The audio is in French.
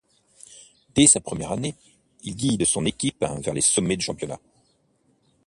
Dès sa première année il guide son équipe vers les sommets du championnat.